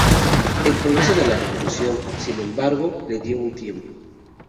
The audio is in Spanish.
El progreso de la revolución, sin embargo, le dio un tiempo.